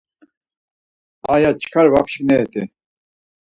Aya çkar va pşigneret̆i.